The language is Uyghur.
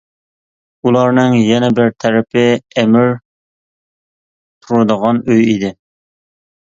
ئۇلارنىڭ يەنە بىر تەرىپى ئەمىر تۇرىدىغان ئۆي ئىدى.